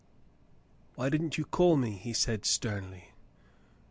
"Why didn't you call me.^" he said sternly.